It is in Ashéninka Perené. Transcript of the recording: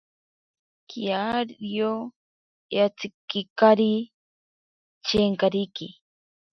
Kiario yatsikikari chenkariki.